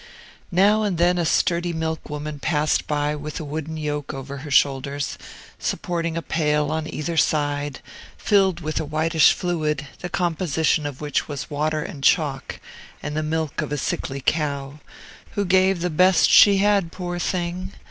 Now and then a sturdy milk woman passed by with a wooden yoke over her shoulders, supporting a pail on either side, filled with a whitish fluid, the composition of which was water and chalk and the milk of a sickly cow, who gave the best she had, poor thing!